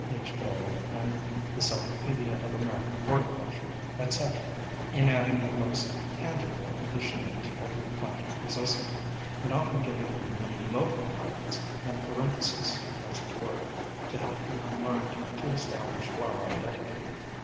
H. Bailey, in the "Cyclopedia of American Horticulture," etc., in adding the most tangible English name to every plant possessing one, SOME HUMBLE ORCHIDS 131 and often giving the many local titles, in parenthesis as it were, to help the unlearned to establish flower identity.